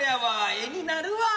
絵になるわ。